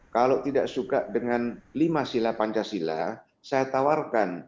kalau tidak suka dengan lima sila pancasila saya tawarkan